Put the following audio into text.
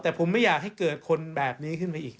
แต่ผมไม่อยากให้เกิดคนแบบนี้ขึ้นไปอีก